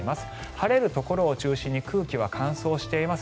晴れるところを中心に空気は乾燥しています。